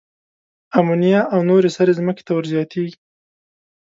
آمونیا او نورې سرې ځمکې ته ور زیاتیږي.